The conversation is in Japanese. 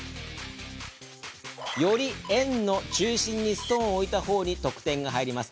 より円の中心にストーンを置いた方に得点が入ります。